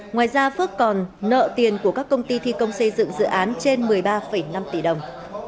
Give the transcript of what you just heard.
ngoài ra phước còn nợ tiền của các công ty thi công xây dựng dự án trên một mươi ba năm tỷ đồng